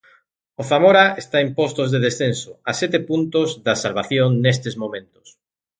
O Zamora está en postos de descenso, a sete puntos da salvación nestes momentos.